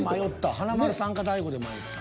華丸さんか大悟で迷った。